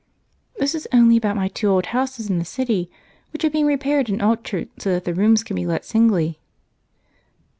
"This is only about my two old houses in the city, which are being repaired and altered so that the rooms can be let singly."